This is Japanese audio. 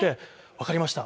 「わかりました。